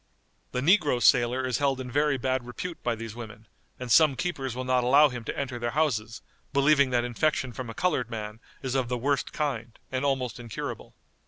The negro sailor is held in very bad repute by these women, and some keepers will not allow him to enter their houses, believing that infection from a colored man is of the worst kind, and almost incurable.